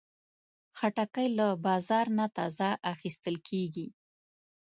خټکی له بازار نه تازه اخیستل کېږي.